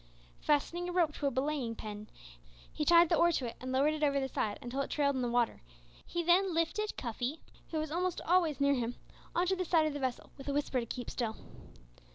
Fastening a rope to a belaying pin, he tied the oar to it and lowered it over the side until it trailed in the water, he then lifted Cuffy, who was almost always near him, on to the side of the vessel, with a whisper to keep still.